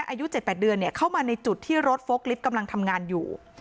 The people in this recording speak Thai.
อายุ๗๘เดือนเข้ามาในจุดที่รถโฟล์กลิฟต์กำลังทำงานอยู่